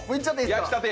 焼きたて。